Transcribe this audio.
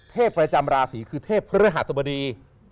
เทพประจำราศีคือเทพพระราชบดี